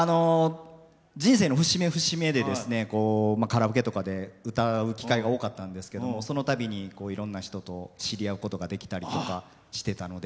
人生の節目節目でカラオケとかで歌う機会が多かったんですけどそのたびにいろんな人と知り合うことができたりとかしてたので